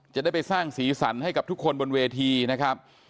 จะได้ไปสร้างสีสันให้กับทุกคนบนเวทีนะครับ